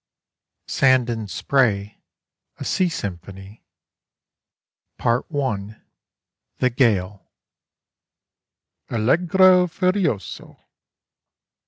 SAND AND SPRAY A SEA SYMPHONY PART I. THE GALE _Allegro furioso.